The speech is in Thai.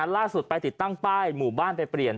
ล่าสุดไปติดตั้งป้ายหมู่บ้านไปเปลี่ยน